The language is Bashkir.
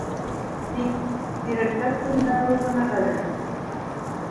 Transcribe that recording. Тик... тирәктәр күренмәүе генә ғәжәп.